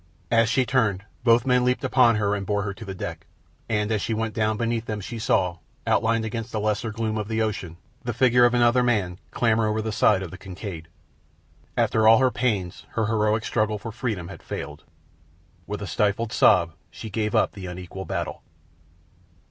As she turned, both men leaped upon her and bore her to the deck, and as she went down beneath them she saw, outlined against the lesser gloom of the ocean, the figure of another man clamber over the side of the Kincaid. After all her pains her heroic struggle for freedom had failed. With a stifled sob she gave up the unequal battle.